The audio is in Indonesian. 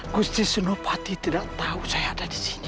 gusti sinopati tidak tahu saya ada di sini